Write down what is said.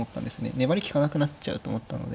粘り利かなくなっちゃうと思ったので。